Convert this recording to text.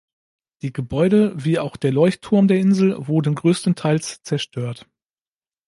Die Gebäude wie auch der Leuchtturm der Insel wurden größtenteils zerstört.